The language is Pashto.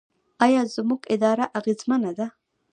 آیا زموږ اداره اغیزمنه ده؟